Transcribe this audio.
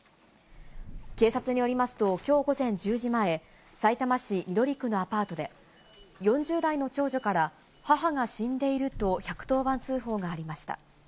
警察によりますと、きょう午前１０時前、さいたま市緑区のアパートで、４０代の長女から、母が死んでいると１１０番通報がありました。